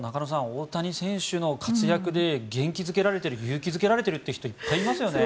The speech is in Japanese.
大谷選手の活躍で元気付けられている勇気付けられている人いっぱいいますよね。